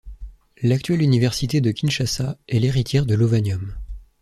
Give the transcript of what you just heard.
L'actuelle université de Kinshasa est l'héritière de Lovanium.